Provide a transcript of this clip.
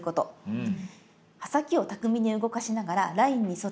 うん。